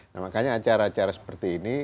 nah makanya acara acara seperti ini